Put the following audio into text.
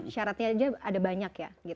syaratnya ada banyak